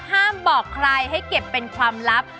บอกใครให้เก็บเป็นความลับ